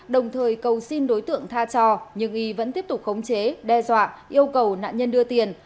đồng thời cầu xin đối tượng tha trò nhưng y vẫn tiếp tục khống chế đe dọa yêu cầu nạn nhân đưa tiền